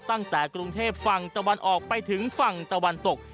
ตั้งแต่กรุงเทพฝั่งตะวันออกไปถึงฝั่งตะวันตก